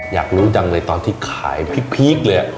อยากรู้จังเลยตอนที่ขายพีคเลย